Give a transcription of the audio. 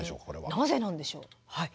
なぜなんでしょう？